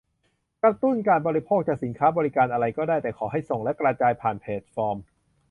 กระตุ้นการบริโภค จะสินค้าบริการอะไรก็ได้ แต่ขอให้ส่งและกระจายผ่านแพลตฟอร์ม